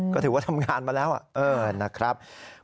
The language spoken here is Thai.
ก็ถือว่าทำงานมาแล้วนะครับ